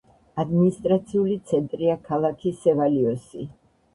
ადმინისტრაციული ცენტრია ქალაქი სევალიოსი.